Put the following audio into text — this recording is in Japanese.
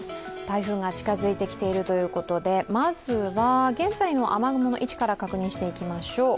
台風が近づいてきているということでまずは現在の雨雲の位置から確認していきましょう。